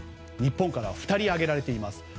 日本からは２人挙げられています。